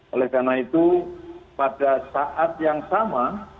oleh karena itu pada saat yang sama